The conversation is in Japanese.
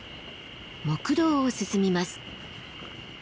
木道を進みます。